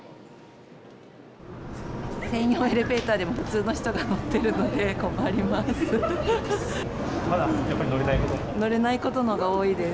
専用エレベーターでも普通の人が乗ってるので困ります。